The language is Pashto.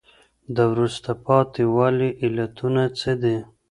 د وروسته پاتي والي علتونه څه دي؟